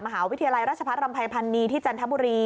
มหาวิทยาลัยราชพัฒรำภัยพันนีที่จันทบุรี